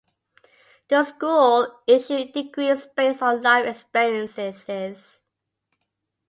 The school issued degrees based on life experiences.